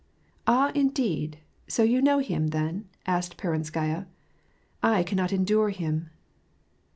" Ah, indeed ! so you know him, then ?" asked Peronskaya. " I cannot endure him.